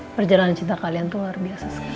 perjalanan cinta kalian itu luar biasa sekali